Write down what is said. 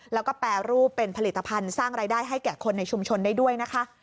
แล้วก็แปรรูปเป็นผลิตภัณฑ์สร้างรายได้ให้แก่คนในชุมชนได้ด้วยนะคะ